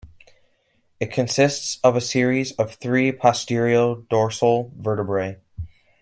It consists of a series of three posterior dorsal vertebrae.